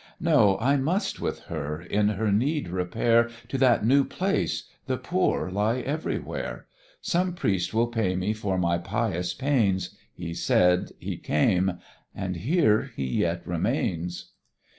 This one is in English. No; I must with her, in her need, repair To that new place; the poor lie everywhere; Some priest will pay me for my pious pains:" He said, he came, and here he yet remains.